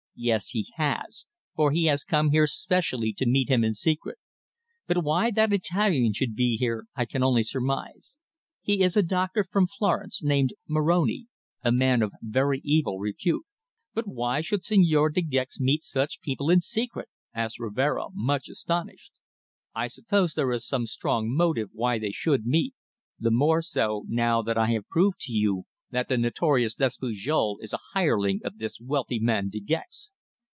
"Yes, he has, for he has come here specially to meet him in secret. But why that Italian should be here I can only surmise. He is a doctor from Florence, named Moroni a man of very evil repute." "But why should Señor De Gex meet such people in secret?" asked Rivero, much astonished. "I suppose there is some strong motive why they should meet the more so, now that I have proved to you that the notorious Despujol is a hireling of this wealthy man De Gex."